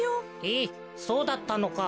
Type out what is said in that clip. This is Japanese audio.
えっそうだったのか。